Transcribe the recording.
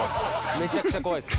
めちゃくちゃ怖いですよ。